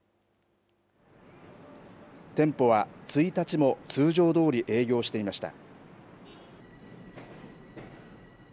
店舗は１日も通常どおり営業していました。